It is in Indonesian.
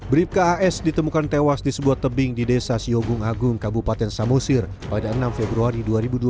bribka as ditemukan tewas di sebuah tebing di desa siogung agung kabupaten samosir pada enam februari dua ribu dua puluh